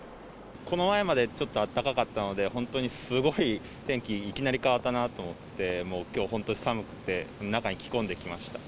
この前までちょっとあったかかったので、本当にすごい天気、いきなり変わったなと思って、もうきょう、本当寒くて、中に着込んできました。